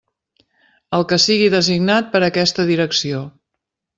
El que sigui designat per aquesta Direcció.